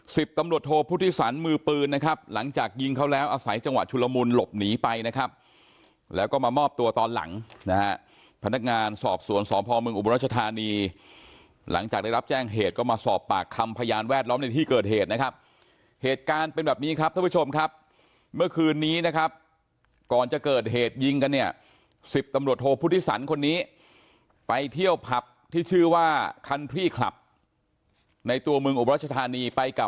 สิบตำรวจโทพุทธิสันมือปืนนะครับหลังจากยิงเขาแล้วอาศัยจังหวัดชุลมุนหลบหนีไปนะครับแล้วก็มามอบตัวตอนหลังนะฮะพนักงานสอบส่วนสอบพรมเมืองอุบราชธานีหลังจากได้รับแจ้งเหตุก็มาสอบปากคำพยานแวดล้อมในที่เกิดเหตุนะครับเหตุการณ์เป็นแบบนี้ครับท่านผู้ชมครับเมื่อคืนนี้นะครับก่